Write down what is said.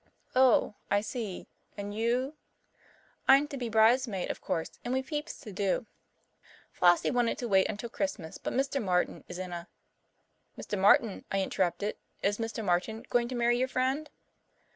"Oh, I see and you " "I'm to be bridesmaid, of course, and we've heaps to do. Flossie wanted to wait until Christmas, but Mr. Martin is in a " "Mr. Martin," I interrupted. "Is Mr. Martin going to marry your friend?"